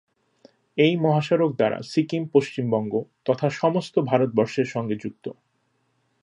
এই মহাসড়ক দ্বারা সিকিম পশ্চিমবঙ্গ তথা সমস্ত ভারতবর্ষের সঙ্গে যুক্ত।